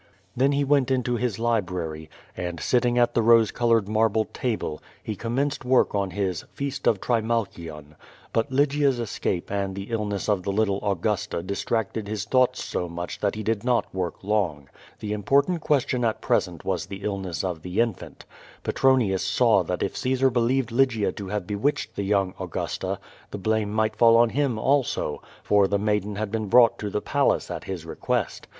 Then he went into his library, and, sitting at the rose colored marble table, he commenced work on his "Feast of Trimalchion." But Lygia's escape and the illness of the little Augusta distracted his thoughts so much that he did not work long. The important question at present was the illness of the infant. Petronius saw that if Caesar believed Lygia to have bewitched the young Augusta, the blame might fall on him also, for the maiden had been brought to the Palace at his request.